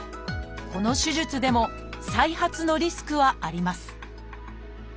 この手術でも再発のリスクはあります